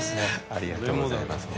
ありがとうございます。